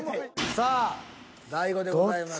さあ大悟でございます。